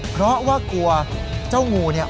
เพราะว่ากลัวเจ้างูเนี่ย